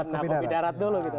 kopi darat dulu gitu